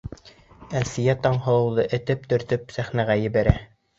Әлфиә Таңһылыуҙы этеп-төртөп сәхнәгә ебәрә.